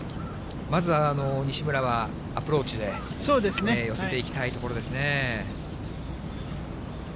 まずは、西村はアプローチで寄せていきたいところですね。